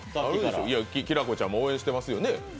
きらこちゃんも応援してますよね？